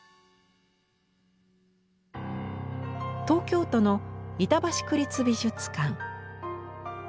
東京都の板橋区立美術館。